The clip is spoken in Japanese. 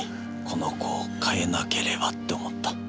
この子を変えなければって思った。